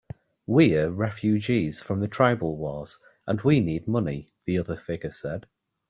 "We're refugees from the tribal wars, and we need money," the other figure said.